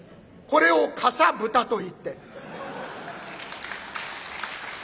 これをかさぶたといって。